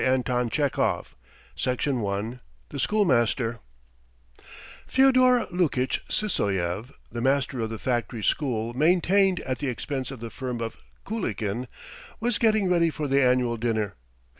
IN AN HOTEL IN A STRANGE LAND THE SCHOOLMASTER FYODOR LUKITCH SYSOEV, the master of the factory school maintained at the expense of the firm of Kulikin, was getting ready for the annual dinner.